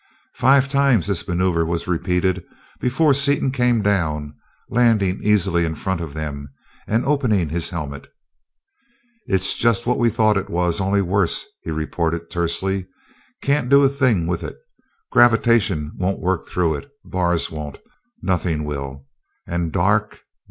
Five times this maneuver was repeated before Seaton came down, landing easily in front of them and opening his helmet. "It's just what we thought it was, only worse," he reported tersely. "Can't do a thing with it. Gravitation won't work through it bars won't nothing will. And dark?